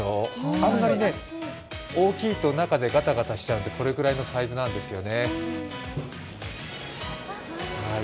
あんまり大きいと中でガタガタしちゃってこれぐらいのサイズなんですよね。